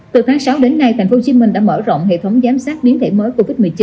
từ tháng sáu đến nay thành phố hồ chí minh đã mở rộng hệ thống giám sát biến thể mới covid một mươi chín